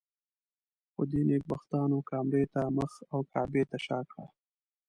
خو دې نېکبختانو کامرې ته مخ او کعبې ته شا کړه.